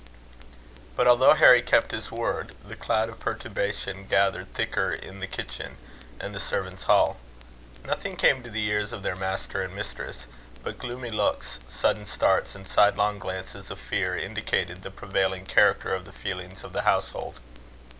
But although Harry kept his word, the cloud of perturbation gathered thicker in the kitchen and the servants' hall. Nothing came to the ears of their master and mistress; but gloomy looks, sudden starts, and sidelong glances of fear, indicated the prevailing character of the feelings of the household.